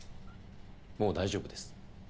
もう大丈夫です。